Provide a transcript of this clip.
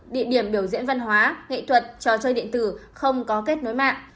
địa điểm biểu diễn văn hóa nghệ thuật trò chơi điện tử không có kết nối mạng